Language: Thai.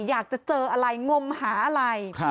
อยากจะเจออะไรงมหาอะไร